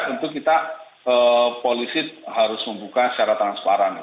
tentu kita polisi harus membuka secara transparan